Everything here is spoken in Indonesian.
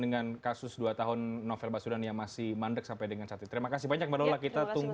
dengan kasus dua tahun novel basudan yang masih mandek sampai dengan catet terima kasih banyak